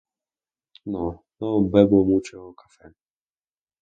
No, no bebo mucho café.